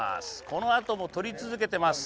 このあとも取り続けています。